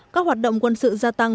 các hoạt động quân sự gia tăng